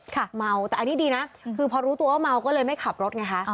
เมาแต่อันนี้ดีนะคือพอรู้ตัวว่าเมาก็เลยไม่ขับรถไงคะ